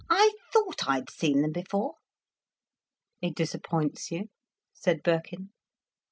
"I thought I had seen them before." "It disappoints you?" said Birkin.